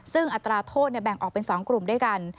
ซึ่งอัตราโทษแบ่งออกเป็น๒กลุ่มด้วยกัน